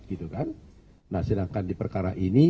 gitu kan nah sedangkan di perkara ini